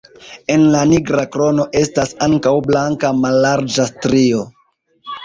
En la nigra krono estas ankaŭ blanka mallarĝa strio.